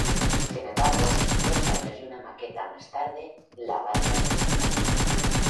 Sin embargo, dos años y una maqueta más tarde, la banda se separó.